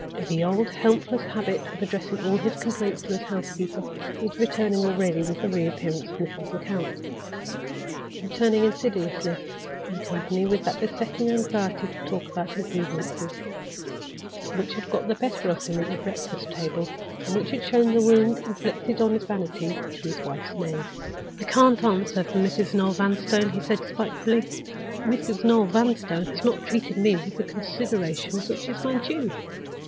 The old helpless habit of addressing all his complaints to his housekeeper was returning already with the re appearance of Mrs. Lecount—returning insidiously, in company with that besetting anxiety to talk about his grievances, which had got the better of him at the breakfast table, and which had shown the wound inflicted on his vanity to his wife's maid. "I can't answer for Mrs. Noel Vanstone," he said, spitefully. "Mrs. Noel Vanstone has not treated me with the consideration which is my due.